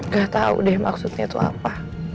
gak tau deh maksudnya itu apa